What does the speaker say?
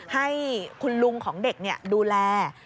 ให้คุณลุงของเด็กดูแล